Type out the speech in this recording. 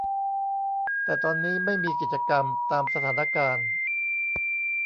แต่ตอนนี้ไม่มีกิจกรรม ตามสถานการณ์